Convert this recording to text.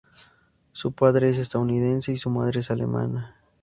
Su padre es estadounidense y su madre es alemana.